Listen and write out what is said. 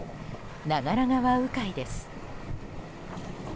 長良川鵜飼です。